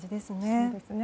そうですね。